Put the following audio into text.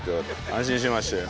安心しましたよ。